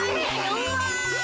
うわ！